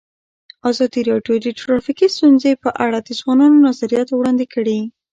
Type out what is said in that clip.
ازادي راډیو د ټرافیکي ستونزې په اړه د ځوانانو نظریات وړاندې کړي.